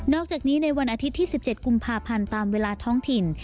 อกจากนี้ในวันอาทิตย์ที่๑๗กุมภาพันธ์ตามเวลาท้องถิ่น